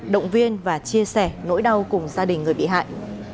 động viên và chia sẻ nỗi đau cùng gia đình người bị hại